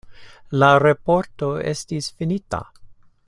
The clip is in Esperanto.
La raporto estis finita.